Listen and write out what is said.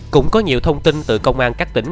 cũng có nhiều thông tin từ công an các tỉnh